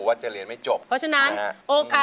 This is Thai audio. อายุ๒๔ปีวันนี้บุ๋มนะคะ